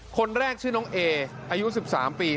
คนแรกชื่อน้องเออายุ๑๓ปี